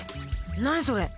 何それ。